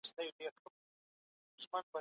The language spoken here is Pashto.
په هغوی ظلم مه کوئ.